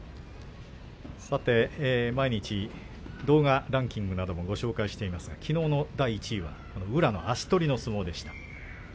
さて毎日動画ランキングなどをご紹介していますがきのうの第１位は宇良の足取りの相撲でした。